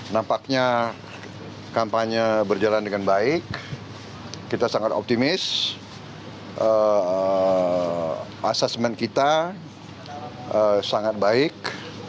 nampaknya kampanye berjalan dengan baik kita sangat optimis asesmen kita sangat baik